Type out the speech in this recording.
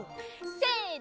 せの！